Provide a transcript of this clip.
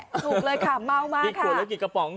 ถูกเลยค่ะเมามากค่ะ